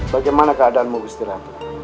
bagaimana keadaanmu justrinya